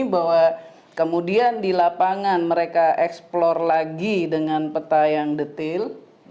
bahwa kemudian di lapangan mereka eksplor lagi dengan peta yang detail